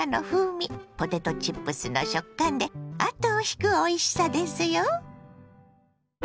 ポテトチップスの食感で後を引くおいしさですよ。